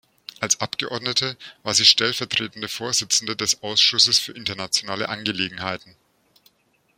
Als Abgeordnete war sie Stellvertretende Vorsitzende des Ausschusses für internationale Angelegenheiten.